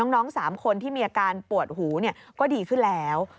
๓คนที่มีอาการปวดหูก็ดีขึ้นแล้ว